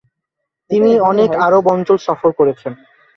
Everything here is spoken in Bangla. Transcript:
তিনি অনেক আরব অঞ্চল সফর করেছেন।